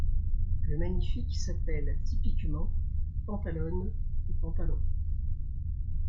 Le Magnifique s'appelle typiquement Pantalone ou Pantalon.